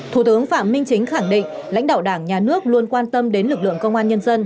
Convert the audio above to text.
thủ tướng phạm minh chính khẳng định lãnh đạo đảng nhà nước luôn quan tâm đến lực lượng công an nhân dân